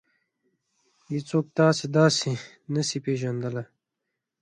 هېڅوک تاسې داسې نشي پېژندلی.